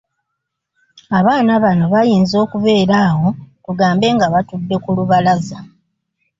Abaana bano bayinza okubeera awo tugambe nga batudde ku lubalaza.